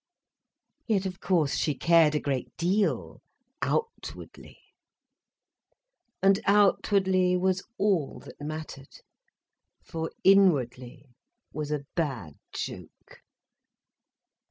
Yet of course, she cared a great deal, outwardly—and outwardly was all that mattered, for inwardly was a bad joke.